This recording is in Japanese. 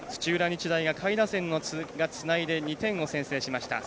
日大が下位打線をつないで２点を先制しました。